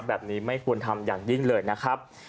ไม่ควรทำอย่างยิ่งเลยนะครับ